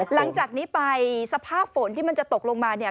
หลังจากนี้ไปสภาพฝนที่มันจะตกลงมาเนี่ย